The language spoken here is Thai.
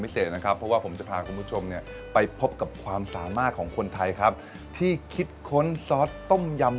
เพราะว่าผมจะพาคุณผู้ชมเนี่ยไปพบกับความสามารถของคนไทยครับที่คิดค้นซอสต้มยำ